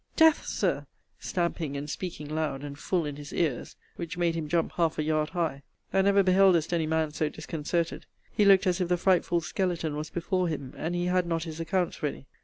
DEATH! Sir, stamping, and speaking loud, and full in his ears; which made him jump half a yard high. (Thou never beheldest any man so disconcerted. He looked as if the frightful skeleton was before him, and he had not his accounts ready.